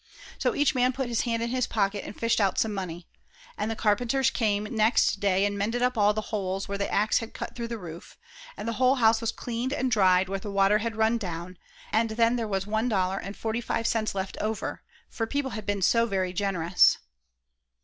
So each man put his hand in his pocket and fished out some money; and the carpenters came next day and mended up all the holes where the axe had cut through the roof; and the whole house was cleaned and dried where the water had run down, and then there was one dollar and forty five cents left over, for people had been so very generous.